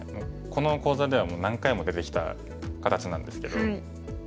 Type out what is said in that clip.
この講座ではもう何回も出てきた形なんですけど。